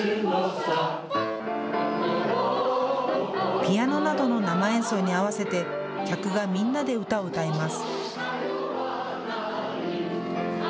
ピアノなどの生演奏に合わせて客がみんなで歌を歌います。